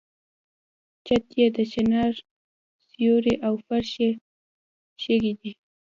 چت یې د چنار سیوری او فرش یې شګې دي.